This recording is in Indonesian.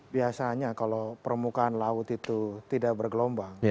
biasanya kalau permukaan laut itu tidak bergelombang